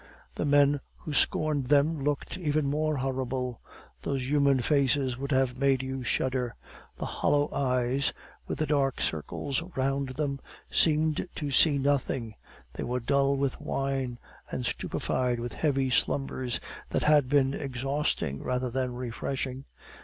The men who scorned them looked even more horrible. Those human faces would have made you shudder. The hollow eyes with the dark circles round them seemed to see nothing; they were dull with wine and stupefied with heavy slumbers that had been exhausting rather than refreshing.